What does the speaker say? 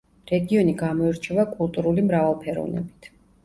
რეგიონი გამოირჩევა კულტურული მრავალფეროვნებით.